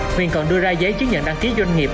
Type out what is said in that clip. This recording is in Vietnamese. huyền còn đưa ra giấy chứng nhận đăng ký doanh nghiệp